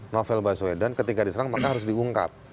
novel baswedan ketika diserang maka harus diungkap